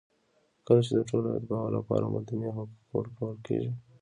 کله چې د ټولو اتباعو لپاره مدني حقونه ورکول کېږي.